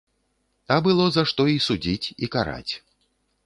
А было за што і судзіць, і караць.